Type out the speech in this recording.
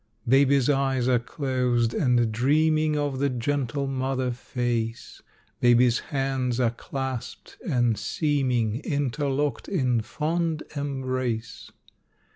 Baby's eyes are closed and dreaming Of the gentle mother face; Baby's hands are clasped and seeming Interlocked in fond embrace.